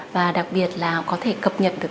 và đặc biệt là có thể cập nhật được